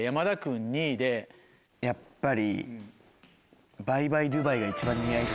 やっぱり。